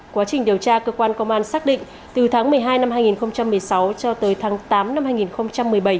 quá trình điều tra cơ quan công an xác định từ tháng một mươi hai năm hai nghìn một mươi sáu cho tới tháng tám năm hai nghìn một mươi bảy